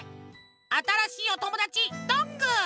あたらしいおともだちどんぐー。